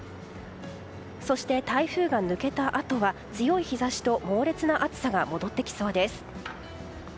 そして台風が抜けたあとは強い日差しと猛烈な暑さが戻ってきそうです。